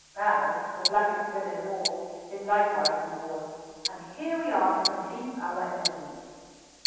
Ballard, the blackest villain of all, is likewise in ward, and here we are to complete our evidence."